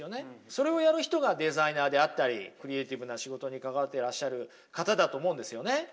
それをやる人がデザイナーであったりクリエイティブな仕事に関わってらっしゃる方だと思うんですよね。